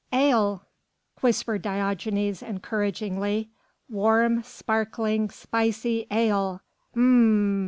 "Ale!" whispered Diogenes, encouragingly; "warm, sparkling, spicy ale!" "Hm!